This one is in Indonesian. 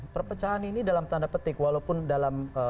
perpecahan ini dalam tanda petik walaupun dalam